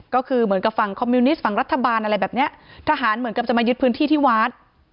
ก็คือเหมือนกับฝั่งคอมมิวนิสต์ฝั่งรัฐบาลอะไรแบบเนี้ยทหารเหมือนกับจะมายึดพื้นที่ที่วัด